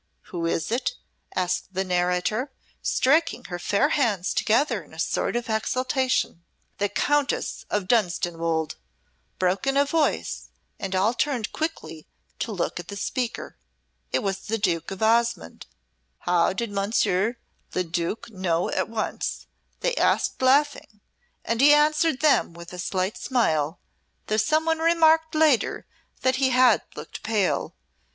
Who is it?" asked the narrator, striking her fair hands together in a sort of exultation. "The Countess of Dunstanwolde!" broke in a voice, and all turned quickly to look at the speaker. It was the Duke of Osmonde. How did Monsieur le Duc know at once, they asked laughing, and he answered them with a slight smile, though someone remarked later that he had looked pale.